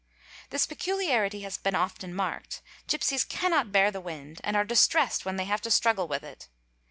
This peculiarity has been often remarked ; gipsies _ cannot bear the wind and are distressed when they have to struggle with it.